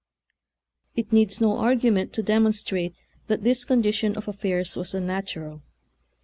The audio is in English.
It needs no argument to demonstrate that this condition of affairs was unnat ural.